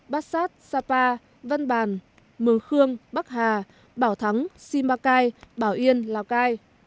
bát sát sapa văn bàn mường khương bắc hà bảo thắng simacai bảo yên lào cai